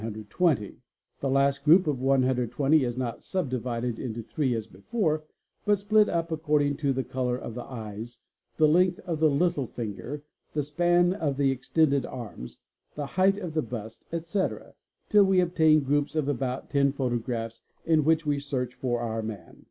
i _ This last group of 120 is not sub divided into three as before but | split up according to the colour of the eyes, the length of the little finger, E k 3 span of the extended arms, the height of the bust, etc., till we obtain ® groups of about 10 photographs in which we search for our man.